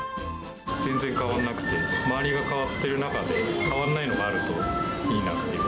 全然変わらなくて、周りが変わっている中で、変わんないのがあると、いいなっていう。